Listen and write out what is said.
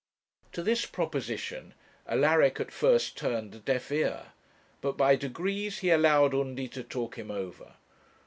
To this proposition Alaric at first turned a deaf ear; but by degrees he allowed Undy to talk him over.